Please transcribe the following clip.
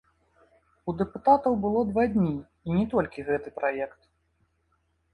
У дэпутатаў было два дні і не толькі гэты праект.